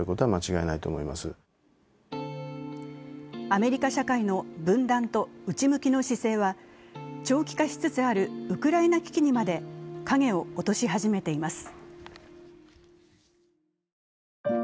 アメリカ社会の分断と内向きの姿勢は長期化しつつあるウクライナ危機にまで影を落とし始めています。